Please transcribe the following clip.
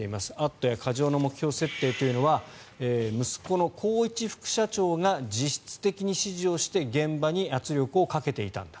「＠」や過剰な目標設定というのは息子の宏一副社長が実質的に指示をして現場に圧力をかけていたんだ